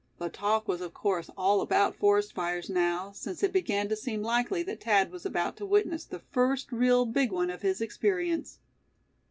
The talk was of course all about forest fires now, since it began to seem likely that Thad was about to witness the first real big one of his experience.